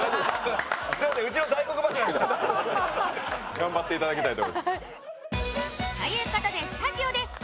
頑張っていただきたいと。